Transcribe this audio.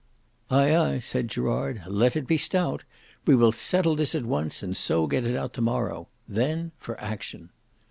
"Ay, ay," said Gerard. "Let it be stout. We will settle this at once, and so get it out to morrow. Then for action."